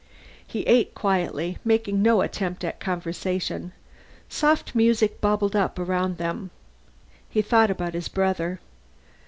He ate quietly, making no attempt at conversation. Soft music bubbled up around them. He thought about his brother.